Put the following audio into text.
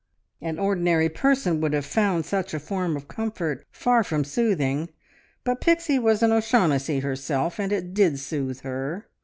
An ordinary person would have found such a form of comfort far from soothing, but Pixie was an O'Shaughnessy herself, and it did soothe her.